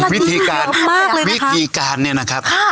วิธีการวิกีการเนี่ยนะครับ